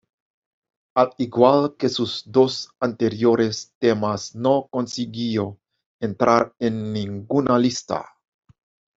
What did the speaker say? Al igual que sus dos anteriores temas, no consiguió entrar en ninguna lista.